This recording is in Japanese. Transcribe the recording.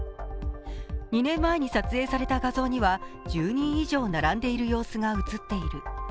２年前に撮影された画像には１０人以上並んでいる様子が映っている。